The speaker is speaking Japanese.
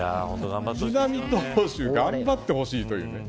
藤浪投手に頑張ってほしいという。